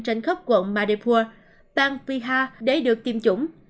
trên khắp quận madipur bang vihar để được tiêm chủng